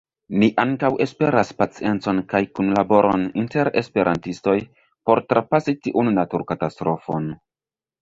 Ni ankaŭ esperas paciencon kaj kunlaboron inter esperantistoj por trapasi tiun naturkatastrofon.